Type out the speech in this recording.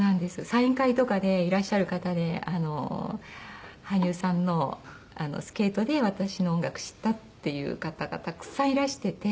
サイン会とかでいらっしゃる方で羽生さんのスケートで私の音楽知ったっていう方がたくさんいらしていて。